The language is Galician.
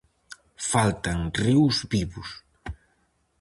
Faltan ríos vivos.